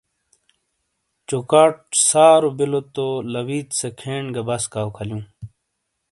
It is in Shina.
چوکھاٹ سارو بِیلو تو لَوِیت سے کھین گہ بَسکاؤ کھالیوں۔